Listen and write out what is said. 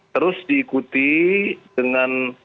terus diikuti dengan